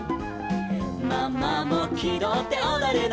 「ママもきどっておどるの」